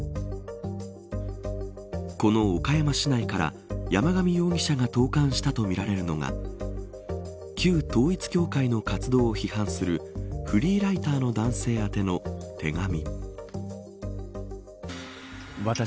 この岡山市内から山上容疑者が投函したとみられるのが旧統一教会の活動を批判するフリーライターの男性宛ての手紙。